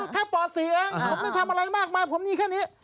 ถ้าปศรีเองผมไม่ทำอะไรมากมากผมนี้แค่นี้